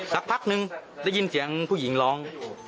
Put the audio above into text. สักพักนึงได้ยินเสียงผู้หญิงร้อง